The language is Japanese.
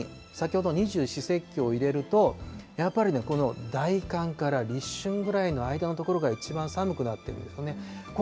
ここに先ほど、二十四節気を入れると、やっぱりね、この大寒から立春ぐらいの間のところが、一番寒くなってるんですよね。